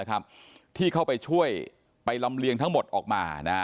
ขอบคุณทุกคน